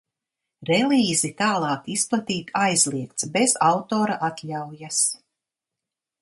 Relīzi tālāk izplatīt aizliegts bez autora atļaujas!